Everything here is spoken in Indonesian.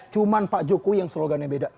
cuma pak jokowi yang slogannya beda